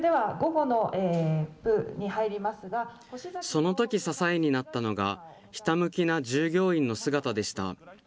そのとき支えになったのが、ひたむきな従業員の姿でした。